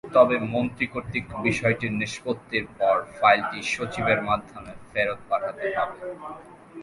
তবে মন্ত্রী কর্তৃক বিষয়টির নিষ্পত্তির পর ফাইলটি সচিবের মাধ্যমে ফেরত পাঠাতে হবে।